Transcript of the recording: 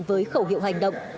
với khẩu hiệu hành động